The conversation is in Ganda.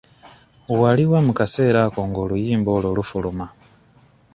Wali wa mu kaseera ako nga oluyimba olwo lufuluma?